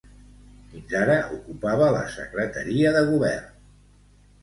Fins ara ocupava la secretaria de govern.